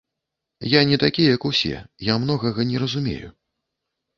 Я не такі як усе, я многага не разумею.